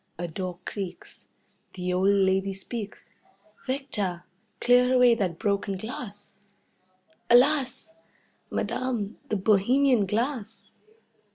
A door creaks. The old lady speaks: "Victor, clear away that broken glass." "Alas! Madame, the bohemian glass!"